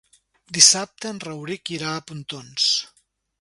Dissabte en Rauric irà a Pontons.